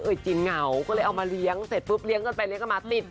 จริงเหงาก็เลยเอามาเลี้ยงเสร็จปุ๊บเลี้ยงกันไปเลี้ยงกันมาติด